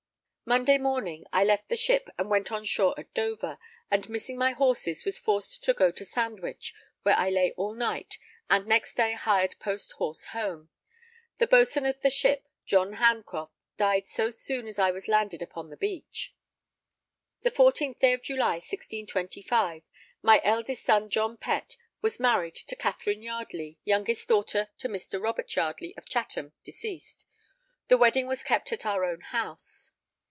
Monday morning I left the ship and went on shore at Dover, and missing my horses was forced to go to Sandwich, where I lay all night, and next day hired post horse home. The boatswain of the ship, John Handcroft, died so soon as I was landed upon the beach. The 14th day of July 1625, my eldest son John Pett was married to Catherine Yardley, youngest daughter to Mr. Robert Yardley, of Chatham, deceased. The wedding was kept at our own house.